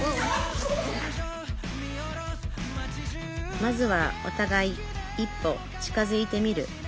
まずはおたがい一歩近づいてみる。